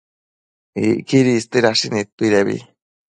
Icquidi istuidashi nidtuidebi